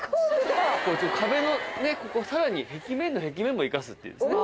壁のここさらに壁面の壁面も生かすっていう。